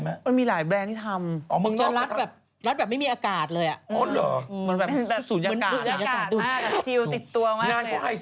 มันมีหลายแบรนด์ที่ทำมึงจะรัดแบบไม่มีอากาศเลยมันแบบศูนยากาศ